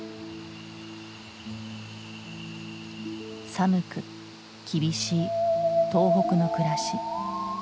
寒く厳しい東北の暮らし。